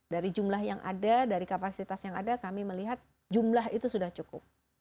dari jumlah yang ada dari kapasitas yang ada kami melihat jumlah itu sudah cukup